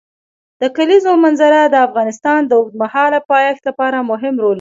د کلیزو منظره د افغانستان د اوږدمهاله پایښت لپاره مهم رول لري.